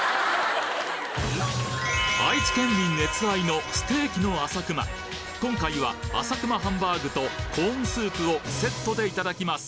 愛知県民熱愛の今回はあさくまハンバーグとコーンスープをセットでいただきます